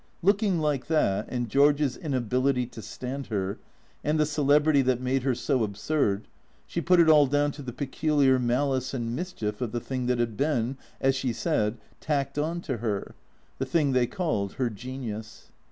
Looking like that, and George's inability to stand her, and the celebrity that made her so absurd, she put it all down to the peculiar malice and mischief of the thing that had been, as she said, " tacked on " to her, the thing they called her Genius.